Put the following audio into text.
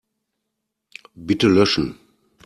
Bitte löschen.